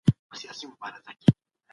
قانون باید د ضعیفو خلګو ملاتړ وکړي.